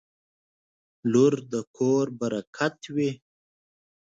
• لور د کور برکت وي.